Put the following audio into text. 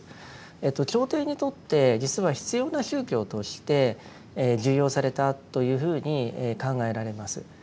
朝廷にとって実は必要な宗教として受容されたというふうに考えられます。